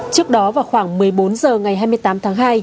trước đó vào khoảng một mươi bốn h ngày hai mươi tám tháng hai